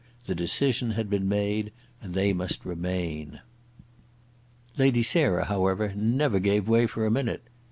The decision had been made, and they must remain. Lady Sarah, however, never gave way for a minute.